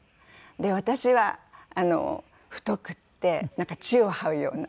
で私は太くってなんか地を這うような。